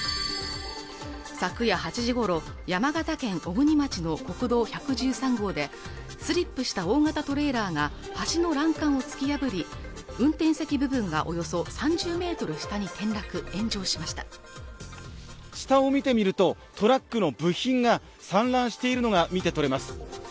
昨夜８時ごろ山形県小国町の国道１１３号でスリップした大型トレーラーが橋の欄干を突き破り運転席部分がおよそ３０ｍ下に転落炎上しました下を見てみるとトラックの部品が散乱しているのが見て取れます